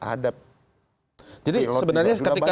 ada pilot yang juga banyak yang ditangkap